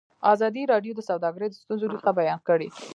ازادي راډیو د سوداګري د ستونزو رېښه بیان کړې.